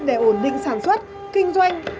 để ổn định sản xuất kinh doanh